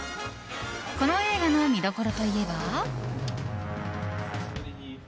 この映画の見どころといえば。